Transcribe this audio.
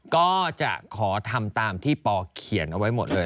ก็จะขอทำตามที่ปเขียนเอาไว้หมดเลย